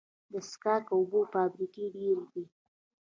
د څښاک اوبو فابریکې ډیرې دي